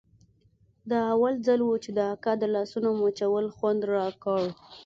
دا اول ځل و چې د اکا د لاسونو مچول خوند راکړ.